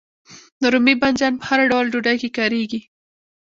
رومي بانجان په هر ډول ډوډۍ کې کاریږي.